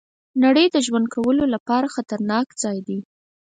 نړۍ د ژوند کولو لپاره خطرناک ځای دی.